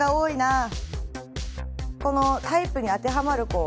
このタイプに当てはまる子